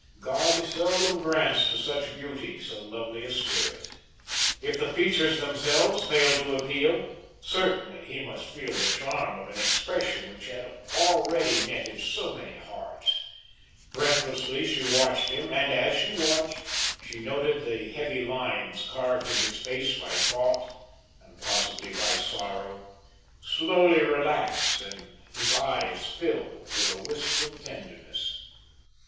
God seldom grants to such beauty, so lovely a spirit. If the features themselves failed to appeal, certainly he must feel the charm of an expression which had already netted so many hearts. Breathlessly she watched him, and, as she watched, she noted the heavy lines carved in his face by thought and possibly by sorrow, slowly relax and his eyes fill with a wistful tenderness.